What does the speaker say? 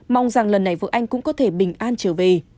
mong rằng lần này vợ anh cũng có thể bình an trở về